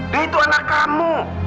dan itu anak kamu